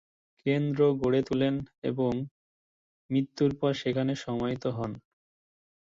কেন্দ্র গড়ে তুলেন এবং মৃত্যুর পর সেখান সমাহিত হন।